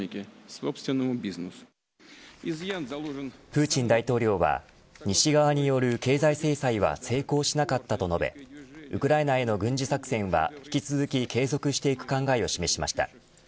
プーチン大統領は西側による経済制裁は成功しなかったと述べウクライナへの軍事作戦は引き続き継続していく考えを示しました。